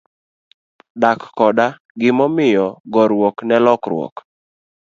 Dak koda gima omiyo, goruok ne lokruok.